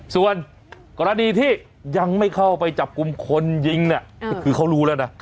ส่วนกรณีที่ยังไม่เข้าไปจับกลุ่มคนยิงเนี่ยคือเขารู้แล้วนะ